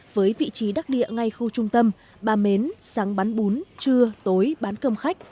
với vị trí đắc địa ngay khu trung tâm bà mến sáng bán bún trưa tối bán cơm khách